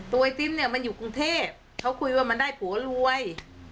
ไอติมเนี่ยมันอยู่กรุงเทพเขาคุยว่ามันได้ผัวรวย